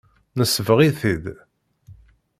Nesbeɣ-it-id.